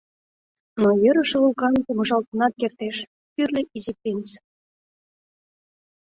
— Но йӧрышӧ вулкан помыжалтынат кертеш, — кӱрльӧ Изи принц.